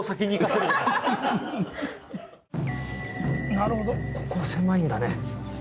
なるほどここ狭いんだね。